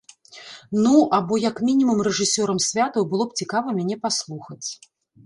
Ну, або як мінімум рэжысёрам святаў было б цікава мяне паслухаць!